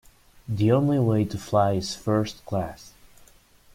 The only way to fly is first class